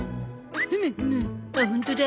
ふむふむあっホントだ。